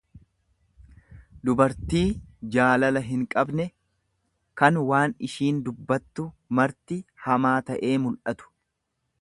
dubartii jaalala hinqabne, kan waan ishiin dubbattu marti hamaa ta'ee mul'atu.